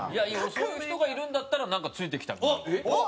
そういう人がいるんだったらなんかついていきたくなるわ。